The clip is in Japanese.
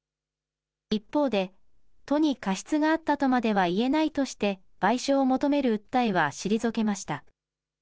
一方で、都に過失があったとまでは言えないとして、賠償を求める訴えは退けました。